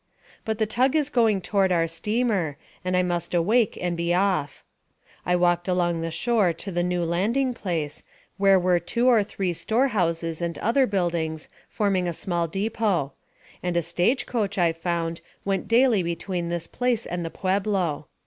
But the tug is going toward our steamer, and I must awake and be off. I walked along the shore to the new landing place, where were two or three store houses and other buildings, forming a small depot; and a stage coach, I found, went daily between this place and the Pueblo.